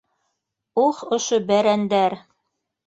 — Ух, ошо бәрәндәр!